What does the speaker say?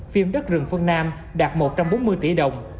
phim đất rừng phương nam đạt một trăm bốn mươi tỷ đồng